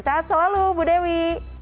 saat selalu ibu dewi